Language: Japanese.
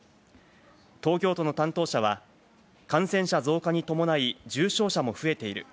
東京都の担当者は、感染者増加に伴い、重症者も増えている。